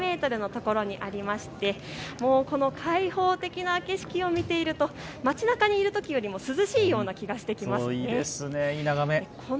高さおよそ２３０メートルのところにありまして開放的な景色を見ていると街なかにいるときよりも涼しいような気がしてきます。